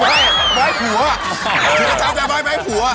ไม่ไม่ผัวคือกาเช้าแบบไม่ให้ผัว